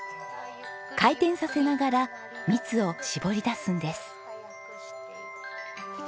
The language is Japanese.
回転させながら蜜を搾り出すんです。